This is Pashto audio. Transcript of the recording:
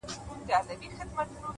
هينداره وي چي هغه راسي خو بارانه نه يې،